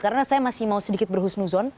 karena saya masih mau sedikit berhusnuzon